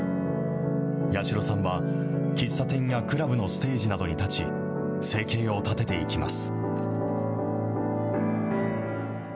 八代さんは、喫茶店やクラブのステージなどに立ち、生計を立てていきます。